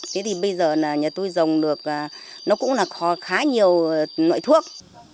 thế thì bây giờ nhà tôi dòng được nó cũng là khó khá nhiều nội thuốc